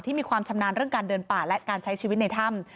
มีความชำนาญเรื่องการเดินป่าและการใช้ชีวิตในถ้ำ